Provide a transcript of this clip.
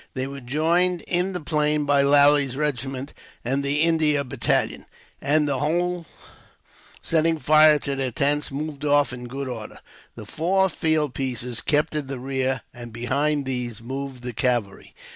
They were joined in the plain by Lally's regiment and the India battalion, and the whole, setting fire to their tents, moved off in good order. The four field pieces kept in the rear, and behind these moved the cavalry.